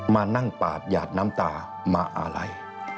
มานั่งปาดหยาดน้ำตามาอะไร